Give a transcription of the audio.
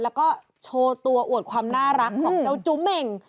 แล้วก็โชว์ตัวอวดความน่ารักของเจ้าจุ้มเห่ง